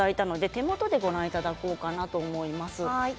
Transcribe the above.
手元でご覧いただこうかと思います。